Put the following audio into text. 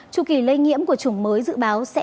chu kỳ lây nhiễm của chủng mới dự báo sẽ